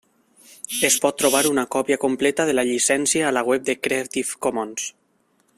Es pot trobar una còpia completa de la llicència a la web de Creative Commons.